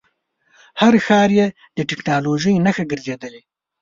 هر ښار یې د ټکنالوژۍ نښه ګرځېدلی.